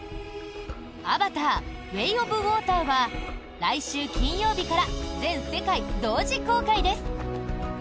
「アバター：ウェイ・オブ・ウォーター」は来週金曜日から全世界同時公開です！